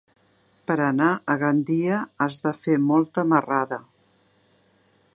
Per anar a Gandia has de fer molta marrada.